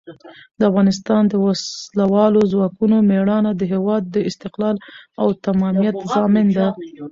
د افغانستان د وسلوالو ځواکونو مېړانه د هېواد د استقلال او تمامیت ضامن ده.